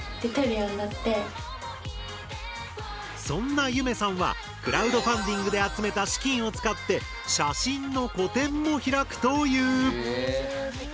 そんなゆめさんはクラウドファンディングで集めた資金を使って写真の個展も開くという。